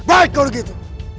baik kau begitu